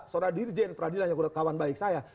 soradirjen pradila yang kawan baik saya